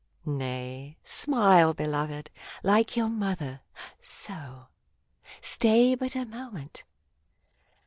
Nay ; smile, beloved !— like your mother — so ! Stay but a moment